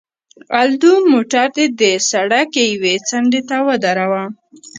الدو، موټر دې د سړک یوې څنډې ته ودروه.